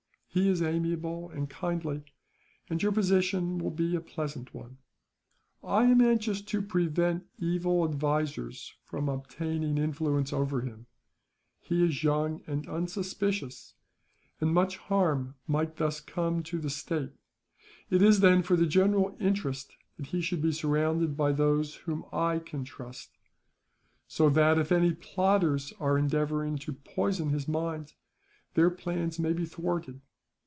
He is amiable and kindly, and your position will be a pleasant one. "I am anxious to prevent evil advisers from obtaining influence over him. He is young and unsuspicious, and much harm might thus come to the state. It is, then, for the general interest that he should be surrounded by those whom I can trust; so that, if any plotters are endeavouring to poison his mind, their plans may be thwarted.